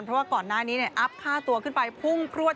เพราะว่าก่อนหน้านี้อัพค่าตัวขึ้นไปพุ่งพลวด